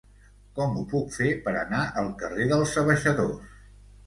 Com ho puc fer per anar al carrer dels Abaixadors?